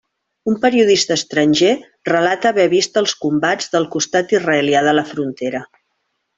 Un periodista estranger relata haver vist els combats del constat israelià de la frontera.